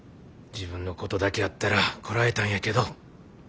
「自分のことだけやったらこらえたんやけど」